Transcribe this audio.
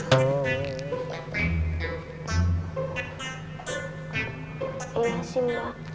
iya sih mbak